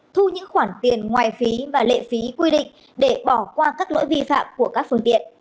thu những khoản tiền ngoài phí và lệ phí quy định để bỏ qua các lỗi vi phạm của các phương tiện